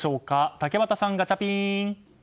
竹俣さん、ガチャピン！